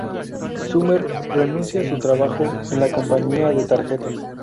Summer renuncia a su trabajo en la compañía de tarjetas.